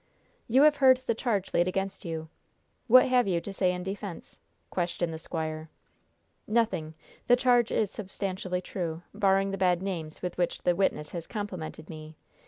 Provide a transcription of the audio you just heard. "You have heard the charge laid against you. What have you to say in defense?" questioned the squire. "Nothing. The charge is substantially true, barring the bad names with which the witness has complimented me.